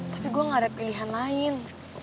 tapi gue gak ada pilihan lain